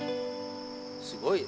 すごいよ。